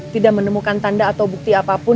tidak menemukan tanda atau bukti apapun